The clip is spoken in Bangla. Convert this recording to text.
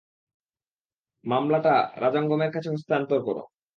মামলাটা রাজাঙ্গমের কাছে হস্তান্তর কর।